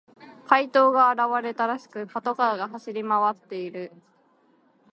怪盗が現れたらしく、パトカーが走り回っている。